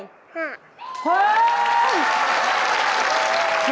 สาม